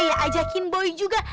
oh iya ajakin bu juga